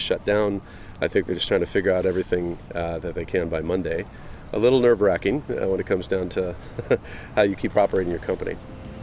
sedikit mengembangkan ketika menurut saya bagaimana anda terus beroperasi dalam perusahaan anda